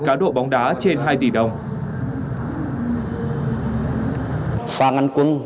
cá độ bóng đá trên hai tỷ đồng